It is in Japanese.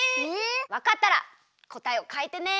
わかったらこたえをかいてね。